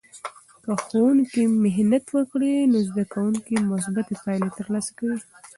که ښوونکی محنت وکړي، نو زده کوونکې مثبتې پایلې ترلاسه کوي.